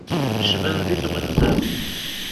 Cban di twenza-m.